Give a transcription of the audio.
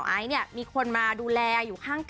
เพราะว่ามีเพื่อนซีอย่างน้ำชาชีระนัทอยู่เคียงข้างเสมอค่ะ